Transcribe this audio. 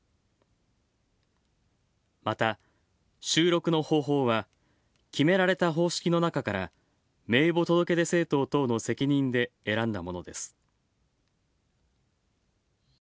また、収録の方法は決められた方式の中から名簿届出政党等の責任で選んだものです。